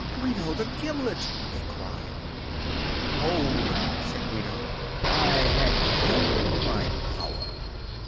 "Guido the Gimlet!" they cried. "Hold," said Guido, "I have you in my power!!"